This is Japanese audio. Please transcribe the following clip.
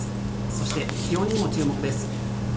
そして、気温にも注目です。